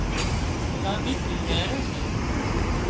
غلامي ٿِي نيهري سي